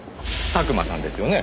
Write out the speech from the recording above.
佐久間さんですよね。